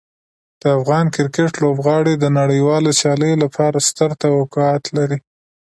د افغان کرکټ لوبغاړو د نړیوالو سیالیو لپاره ستر توقعات لري.